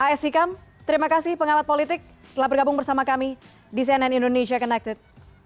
pak s hikam terima kasih pengamat politik telah bergabung bersama kami di cnn indonesia connected